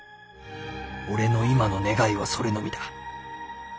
俺の今の願いはそれのみだ。